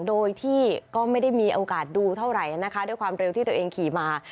โดยที่ก็ไม่ได้มีโอกาสดูเท่าไหร่นะคะด้วยความเร็วที่ตัวเองขี่มา